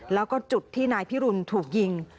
แล้วก็จุดที่นายพิรุณถูกยิง